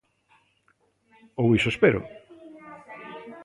Ou iso espero.